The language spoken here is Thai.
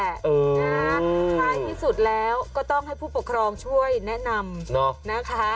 ถ้าอย่างนี้สุดแล้วต้องให้ผู้ประคองช่วยแนะนำนะคะ